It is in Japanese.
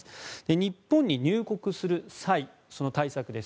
日本に入国する際その対策です。